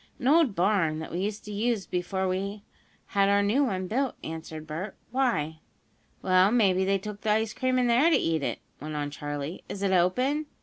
"An old barn, that we used to use before we had our new one built," answered Bert. "Why?" "Well, maybe they took the ice cream in there to eat it," went on Charley. "Is it open?"